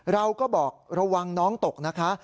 เราก็บอกระวังน้องตกนะคะ